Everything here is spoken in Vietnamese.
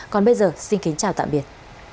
còn bây giờ xin kính chào tạm biệt